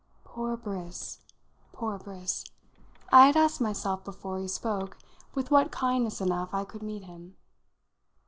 Poor Briss! poor Briss! I had asked myself before he spoke with what kindness enough I could meet him.